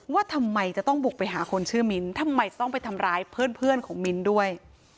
ว่าทำไมจะต้องบุกไปหาคนชื่อมิ้นทำไมต้องไปทำร้ายเพื่อนของมิ้นด้วย